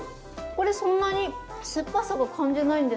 これそんなにすっぱさは感じないんですけど。